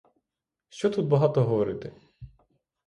Що тут багато говорити!